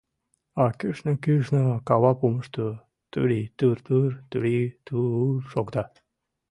А кӱшнӧ-кӱшнӧ, кава помышто, тури-тур-тур, тури-ту-ур шокта.